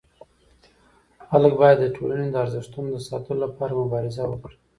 خلک باید د ټولني د ارزښتونو د ساتلو لپاره مبارزه وکړي.